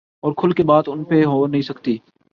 اورکھل کے بات ان پہ ہو نہیں سکتی۔